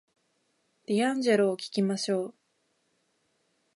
ディアンジェロを聞きましょう